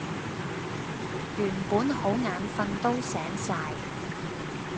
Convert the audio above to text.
原本好眼瞓都醒晒